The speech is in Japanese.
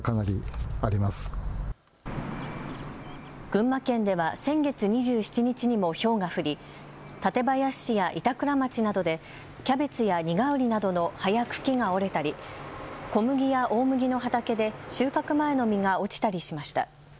群馬県では先月２７日にもひょうが降り、館林市や板倉町などでキャベツやにがうりなどの葉や茎が折れたり小麦や大麦の畑で収穫前の実が落ちたりしました。